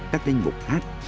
các linh mục hát